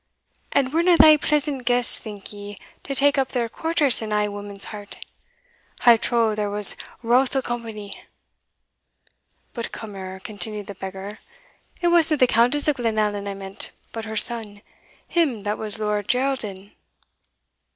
And werena thae pleasant guests, think ye, to take up their quarters in ae woman's heart? I trow there was routh o' company." "But, cummer," continued the beggar, "it wasna the Countess of Glenallan I meant, but her son, him that was Lord Geraldin."